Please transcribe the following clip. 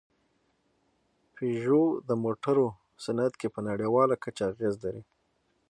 پيژو د موټرو صنعت کې په نړۍواله کچه اغېز لري.